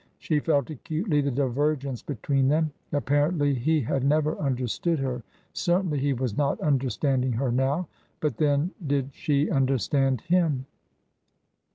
She felt acutely the divergence between them. Apparently he had never understood her, certainly he was not understanding her now. But, then, did she understand him